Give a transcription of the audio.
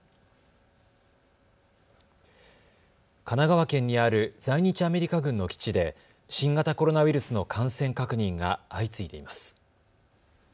神奈川県にある在日アメリカ軍の基地で新型コロナウイルスの感染確認が相次いでいます。